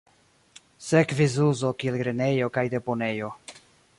Sekvis uzo kiel grenejo kaj deponejo.